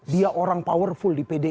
dia orang powerful di pdip